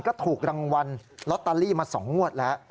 ก็ถูกรางวัลลอตเตอรี่มา๒งวดแล้ว